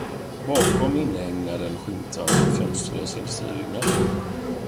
Bakom inhägnaden skymtade en fönsterlös industribyggnad.